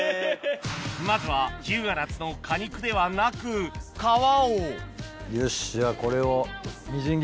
まずは日向夏の果肉ではなく皮をよしじゃあこれを。